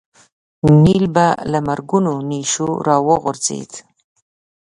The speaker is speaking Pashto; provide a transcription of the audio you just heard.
نیل به له مرګونو نېشو راوغورځېد.